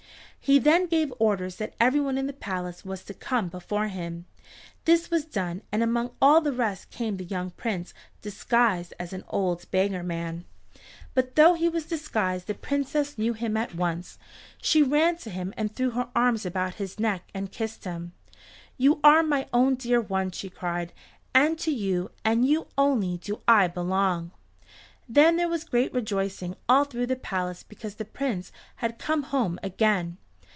He then gave orders that everyone in the palace was to come before him. This was done, and among all the rest came the young Prince disguised as an old beggar man. But though he was disguised the Princess knew him at once. She ran to him and threw her arms about his neck and kissed him. "You are my own dear one," she cried, "and to you and you only do I belong." Then there was great rejoicing all through the palace because the Prince had come home again.